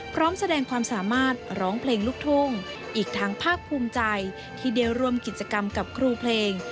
พร้อมแสดงความสามารถร้องเพลงลูกทุ่งอีกทั้งภาคภูมิใจที่ได้ร่วมกิจกรรมกับครูเพลง